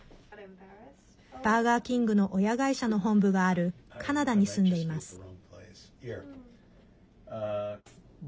バーガーキングの親会社の本部があるカナダに住んでいます。